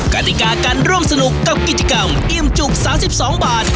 กติกาการร่วมสนุกกับกิจกรรมอิ่มจุก๓๒บาท